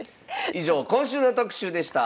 以上今週の特集でした。